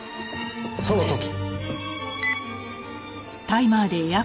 その時。